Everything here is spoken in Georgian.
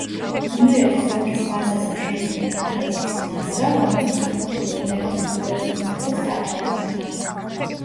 იმერეთის ოლქის ბაზაზე შეიქმნა ქუთაისის მაზრა, რომელიც საქართველო-იმერეთის გუბერნიის ნაწილს წარმოადგენდა.